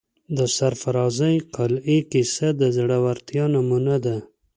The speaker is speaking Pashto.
د سرافرازۍ قلعې کیسه د زړه ورتیا نمونه ده.